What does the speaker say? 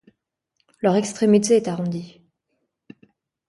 Leur extrémité est arrondie.